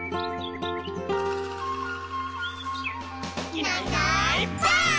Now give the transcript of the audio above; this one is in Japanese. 「いないいないばあっ！」